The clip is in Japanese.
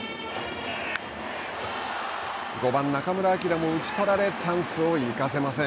５番、中村晃も打ち取られチャンスを生かせません。